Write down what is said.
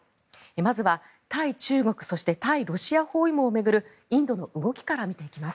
まずは対中国、そして対ロシアを包囲網を巡るインドの動きから見ていきます。